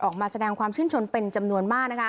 ออกมาแสดงความชื่นชมเป็นจำนวนมาก